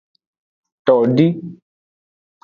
Todi.